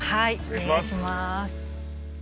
お願いします。